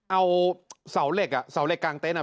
เอาเสาเหล็กกางเต๊ะ